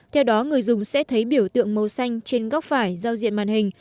theo đó người dùng sẽ thấy biểu tượng màu xanh trên góc phải giao diện màn hình